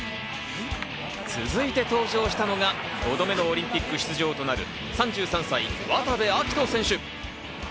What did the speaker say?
続いて登場したのが５度目のオリンピック出場となる３３歳、渡部暁斗選手。